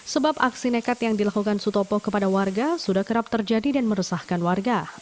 sebab aksi nekat yang dilakukan sutopo kepada warga sudah kerap terjadi dan meresahkan warga